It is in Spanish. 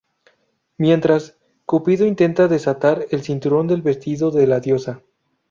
Mientras, Cupido intenta desatar el cinturón del vestido de la diosa.